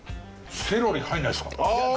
セロリ入らないですか？